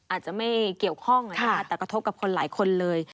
อาจจะไม่เกี่ยวข้องอาจจะอาจจะกระทบกับคนหลายคนเลย